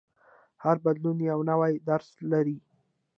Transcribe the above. هر بدلون یو نوی درس لري.